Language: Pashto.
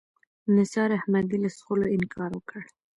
نثار احمدي له څښلو انکار وکړ.